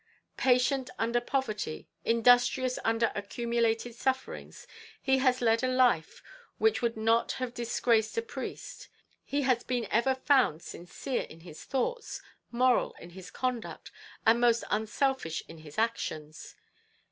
Patient under poverty industrious under accumulated sufferings he has led a life which would not have disgraced a priest; he has been ever found sincere in his thoughts, moral in his conduct, and most unselfish in his actions.